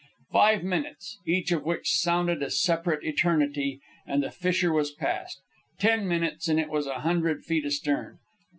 Five minutes, each of which sounded a separate eternity, and the fissure was past. Ten minutes, and it was a hundred feet astern.